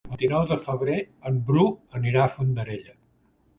El vint-i-nou de febrer en Bru anirà a Fondarella.